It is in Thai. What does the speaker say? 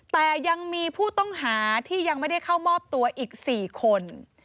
แต่ยังมีผู้ต้องหาที่ยังไม่ได้เข้ามอบตัวอีก๔คน